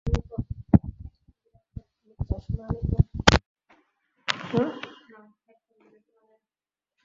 ওখানে কোনো সমস্যা হয়নি তো?